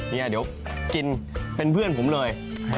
เดี๋ยวกินเป็นเพื่อนผมเลย